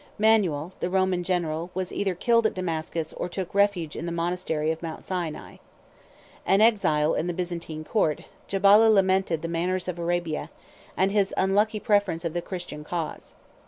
77 Manuel, the Roman general, was either killed at Damascus, or took refuge in the monastery of Mount Sinai. An exile in the Byzantine court, Jabalah lamented the manners of Arabia, and his unlucky preference of the Christian cause.